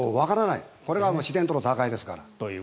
これが自然との闘いですから。